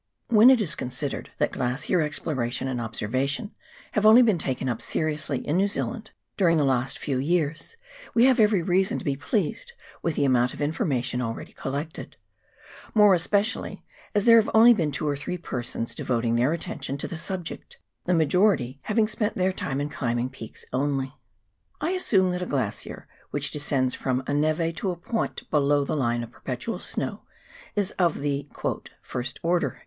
When it is considered that glacier exploration and observation have only been taken up seriously in New Zealand during the last few years, we have every reason to be pleased with the amount of information already collected ; more especially as there have only been two or three persons devoting their attention to the subject, the majority having spent their time in climbing peaks only. I assume that a glacier which descends from a neve to a point below the line of perpetual snow is of the "first order."